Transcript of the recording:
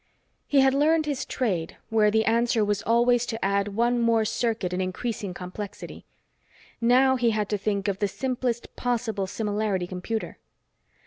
He had learned his trade where the answer was always to add one more circuit in increasing complexity. Now he had to think of the simplest possible similarity computer.